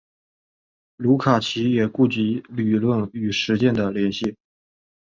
卢卡奇也虑及理论与实践的联系。